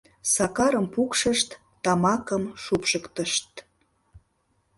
Сакарым пукшышт, тамакым шупшыктышт...